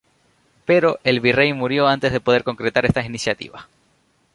Pero, el virrey murió antes de poder concretar estas iniciativas.